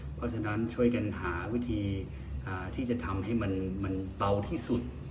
เพราะฉะนั้นช่วยกันหาวิธีที่จะทำให้มันเบาที่สุด